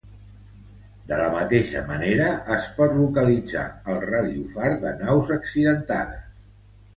De la mateixa manera, es pot localitzar el radiofar de naus accidentades.